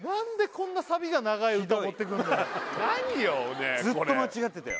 これずっと間違ってたよ